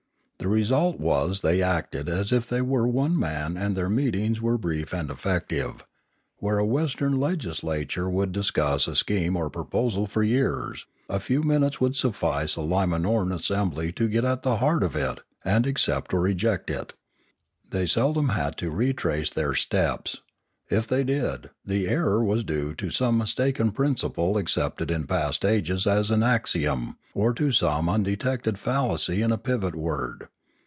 The result was they acted as if they were one man and their meetings were brief and effective; where a Western legislature would discuss a scheme or proposal for years, a few minutes would suffice a Limanoran assembly to get at the heart of it, and accept or reject it. They seldom had to re trace their steps; if they did, the error was due to some mistaken principle accepted in past ages as an axiom, or to some undetected fallacy in a pivot word.